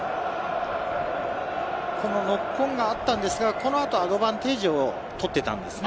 ノックオンがあったんですが、そのあとアドバンテージを取っていたんですね。